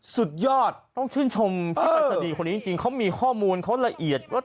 ซุดยอดต้องชื่อชมพัฒจุฏิคนนี้จริงเขามีข้อมูลเขาละเอียด